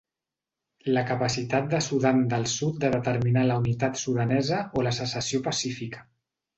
La capacitat de Sudan del Sud de determinar la unitat sudanesa o la secessió pacífica.